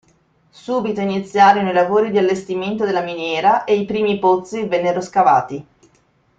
Subito iniziarono i lavori di allestimento della miniera ed i primi pozzi vennero scavati.